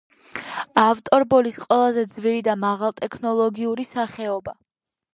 ავტორბოლის ყველაზე ძვირი და მაღალტექნოლოგიური სახეობა.